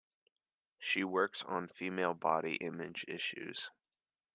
She works on female body image issues.